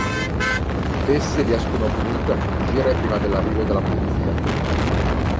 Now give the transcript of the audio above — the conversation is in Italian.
Essi riescono comunque a fuggire prima dell'arrivo della polizia.